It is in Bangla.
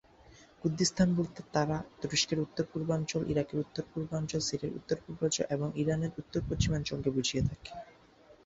কুর্দিস্তান বলতে তারা তুরস্কের দক্ষিণ-পূর্বাঞ্চল, ইরাকের উত্তর-পূর্বাঞ্চল, সিরিয়ার উত্তর-পূর্বাঞ্চল এবং ইরানের উত্তর-পশ্চিমাঞ্চলকে বুঝিয়ে থাকে।